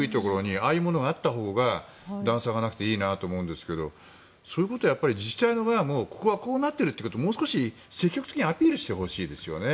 ああいうものがあったほうが段差がなくていいなと思うんですがそういうことも自治体側もここはこうなっているって積極的にアピールしてほしいですね。